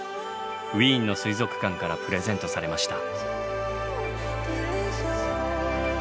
ウィーンの水族館からプレゼントされました。